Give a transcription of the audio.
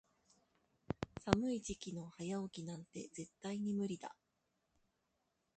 寒い時期の早起きなんて絶対に無理だ。